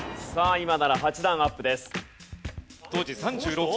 今なら８段アップです。